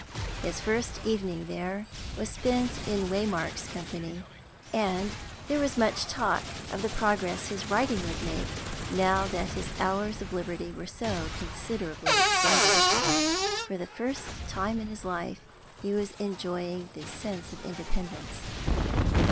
His first evening there was spent in Waymark's company, and there was much talk of the progress his writing would make, now that his hours of liberty were so considerably extended. For the first time in his life he was enjoying the sense of independence.